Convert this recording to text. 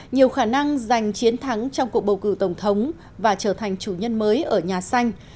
nhiều khả năng giành chiến thắng trong cuộc bầu cử tổng thống và trở thành chủ nhân mới ở nhà xanh